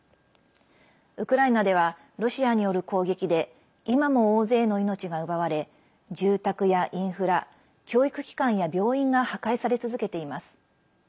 ウクライナではロシアによる攻撃で今も大勢の命が奪われ住宅やインフラ教育機関や病院が破壊され続けています。